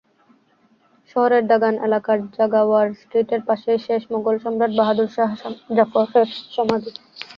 শহরের দাগান এলাকার জাগাওয়ার স্ট্রিটের পাশেই শেষ মোগল সম্রাট বাহাদুর শাহ জাফরের সমাধি।